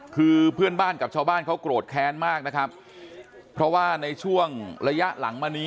คือเพื่อนบ้านกับชาวบ้านเขาโกรธแค้นมากนะครับเพราะว่าในช่วงระยะหลังมานี้